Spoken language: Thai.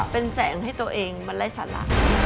เป็นแสงให้ตัวเองมันไร้สาระ